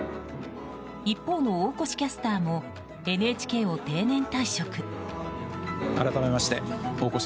一方の大越キャスターもＮＨＫを定年退職。